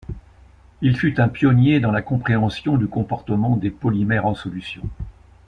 Il fut un pionnier dans la compréhension du comportement des polymères en solution.